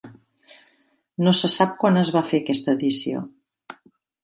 No se sap quan es va fer aquesta edició.